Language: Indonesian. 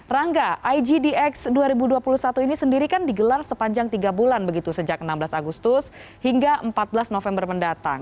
rangga igdx dua ribu dua puluh satu ini sendiri kan digelar sepanjang tiga bulan begitu sejak enam belas agustus hingga empat belas november mendatang